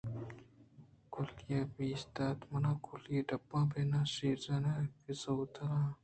کُلی ءَ پسّہ دات ما کُلی ڈبّاں بہ نہ شیزاراں ءُ نا کہ صوت الہاناں